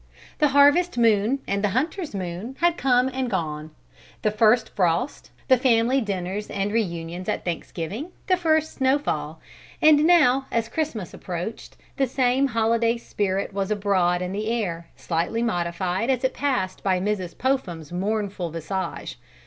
The harvest moon and the hunter's moon had come and gone; the first frost, the family dinners and reunions at Thanksgiving, the first snowfall; and now, as Christmas approached, the same holiday spirit was abroad in the air, slightly modified as it passed by Mrs. Popham's mournful visage.